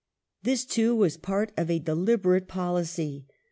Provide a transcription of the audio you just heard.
This, too, was part of a deliberate policy.